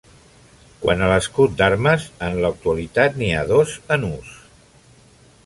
Quant a l'escut d'armes, en l'actualitat n'hi ha dos en ús.